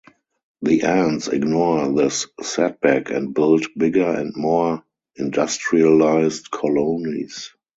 The ants ignore this setback and build bigger and more industrialized colonies.